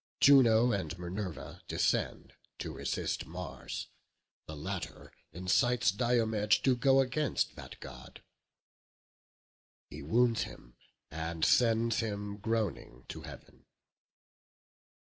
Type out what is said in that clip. Juno and Minerva descend to resist Mars; the latter incites Diomed to go against that god; he wounds him, and sends him groaning to heaven.